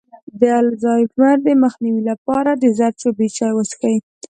د الزایمر د مخنیوي لپاره د زردچوبې چای وڅښئ